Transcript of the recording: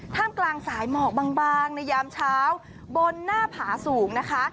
กลางสายหมอกบางในยามเช้าบนหน้าผาสูงนะคะ